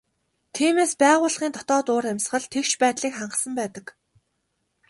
Тиймээс байгууллагын дотоод уур амьсгал тэгш байдлыг хангасан байдаг.